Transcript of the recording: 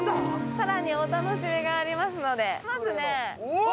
更にお楽しみがありますので。